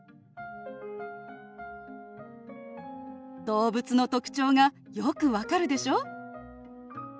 動物の特徴がよく分かるでしょ？